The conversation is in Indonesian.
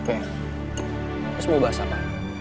terus mau bahas apa